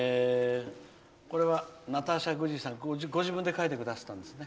これはナターシャ・グジーさんがご自分で書いてくださったんですね。